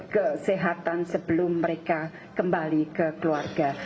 kesehatan sebelum mereka kembali ke keluarga